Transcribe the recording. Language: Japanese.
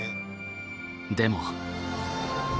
でも。